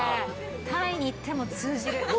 タイに行っても通じる。